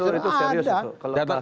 itu serius itu